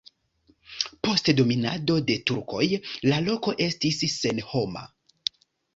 Post dominado de turkoj la loko estis senhoma.